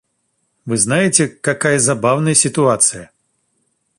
Вы знаете, какая забавная ситуация.